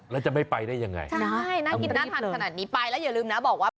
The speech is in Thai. แล้วจะไม่ไปได้ยังไงใช่น่ากินน่าทานขนาดนี้ไปแล้วอย่าลืมนะบอกว่า